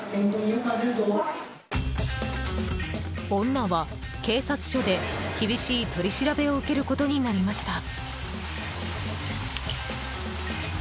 女は警察署で厳しい取り調べを受けることになりました。